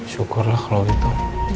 syukur lah kalau gitu